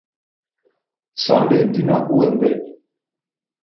Sɔndɛ endi na hú ɛmbwedi.